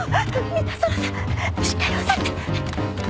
三田園さんしっかり押さえて！